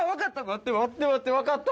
待って待って待って分かった。